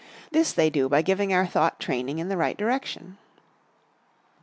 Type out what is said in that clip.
This they do by giving our thought training in the right direction.